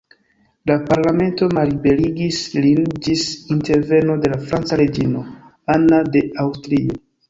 La Parlamento malliberigis lin ĝis interveno de la franca reĝino Anna de Aŭstrio.